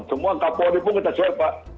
semua kapone pun kita swab pak